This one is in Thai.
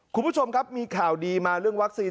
คุณผู้ชมครับมีข่าวดีมาเรื่องวัคซีน